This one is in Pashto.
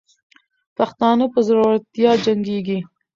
پښتانه په زړورتیا جنګېږي.